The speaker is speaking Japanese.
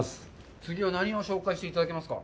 次は何を紹介していただけますか。